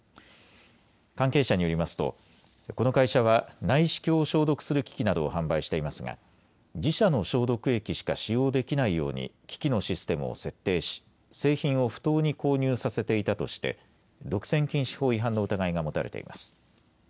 関係者によりますとこの会社は内視鏡を消毒する機器などを販売していますが自社の消毒液しか使用できないように機器のシステムを設定し製品を不当に購入させていたとして独占禁止法違反の疑いが持たれています。